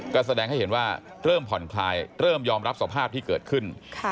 ก็แสดงให้เห็นว่าเริ่มผ่อนคลายเริ่มยอมรับสภาพที่เกิดขึ้น